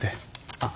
あっ。